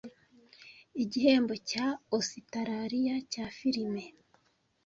Igihembo cya Ositarariya cya Filime -